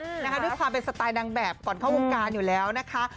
นะคะด้วยความเป็นสไตล์นางแบบก่อนเข้าวงการอยู่แล้วนะคะ